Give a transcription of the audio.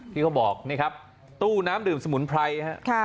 ที่เขาบอกนี่ครับตู้น้ำดื่มสมุนไพรครับ